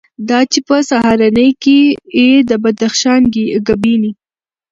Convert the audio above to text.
دا چې په سهارنۍ کې یې د بدخشان ګبیني،